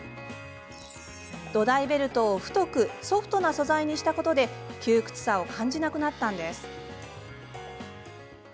土台ベルトを太くソフトな素材にしたことで窮屈さを感じなくなったんです。